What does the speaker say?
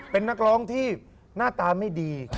เป็นนักร้องที่หน้าตาไม่ดี